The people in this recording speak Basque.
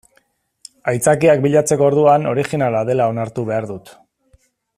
Aitzakiak bilatzeko orduan originala dela onartu behar dut.